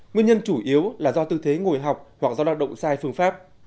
nguyên nhân chủ yếu là do tư thế ngồi học hoặc do lao động sai phương pháp